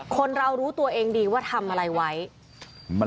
ครับคุณสาวทราบไหมครับ